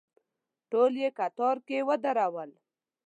ټول یې کتار کې ودرولو.